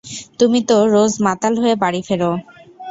তুমি তো রোজ মাতাল হয়ে বাড়ি ফেরো।